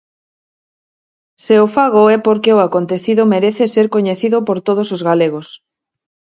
Se o fago é porque o acontecido merece ser coñecido por todos os galegos.